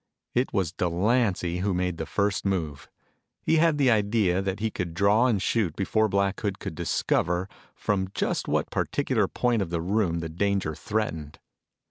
It was Delancy who made the first move. He had the idea that he could draw and shoot before Black Hood could discover from just what particular point of the room the danger threatened.